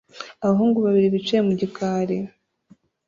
Abahungu babiri bicaye ku gikari